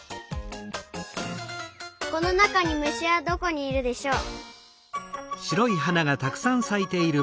このなかにむしはどこにいるでしょう？